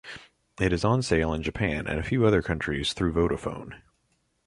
It is on sale in Japan and a few other countries through Vodafone.